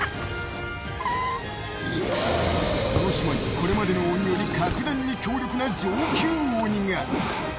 これまでの鬼より格段に強力な上級鬼が。